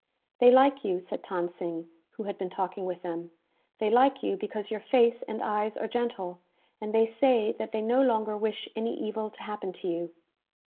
"They like you," said Than Sing, who had been talking with them. "They like you, because your face and eyes are gentle; and they say that they no longer wish any evil to happen to you."